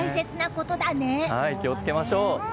気を付けましょう。